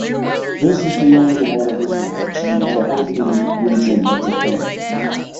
This is the only one of his works in the Tohoku region of Japan.